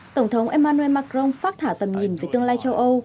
tổng thống emmanuel macron phát thả tầm nhìn về tương lai chiến lược của trung quốc